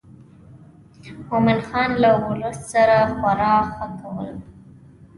مومن خان له ولس سره خورا ښه کول.